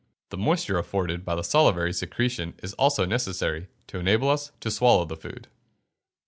The moisture afforded by the salivary secretion is also necessary to enable us to swallow the food.